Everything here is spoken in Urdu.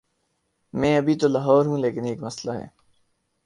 میں ابھی تو لاہور ہوں، لیکن ایک مسلہ ہے۔